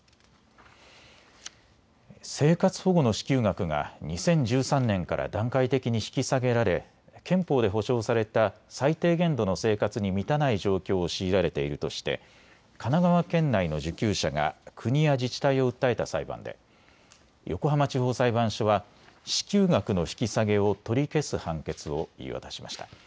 生活保護の支給額が２０１３年から段階的に引き下げられ憲法で保障された最低限度の生活に満たない状況を強いられているとして神奈川県内の受給者が国や自治体を訴えた裁判で横浜地方裁判所は支給額の引き下げを取り消す判決を言い渡しました。